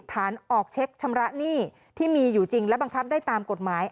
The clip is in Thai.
ฐานออกเช็คชำระหนี้ที่มีอยู่จริงและบังคับได้ตามกฎหมาย